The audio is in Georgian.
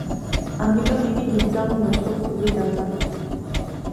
ამიტომ იგი დიდძალ მლოცველს იზიდავდა.